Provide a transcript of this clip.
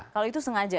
kalau itu sengaja